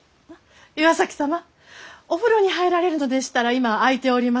岩崎様お風呂に入られるのでしたら今空いております。